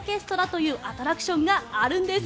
というアトラクションがあるんです。